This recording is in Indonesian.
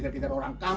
mau minta sumbangan